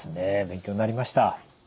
勉強になりました。